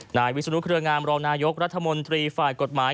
นายวิศนุเครืองามรองนายกรัฐมนตรีฝ่ายกฎหมาย